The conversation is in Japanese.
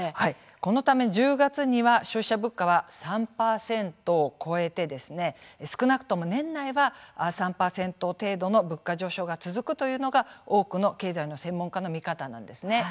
このため、１０月には消費者物価は、３％を超えて少なくとも年内は３％程度の物価上昇が続くというのが多くの経済の専門家の見方なんですね。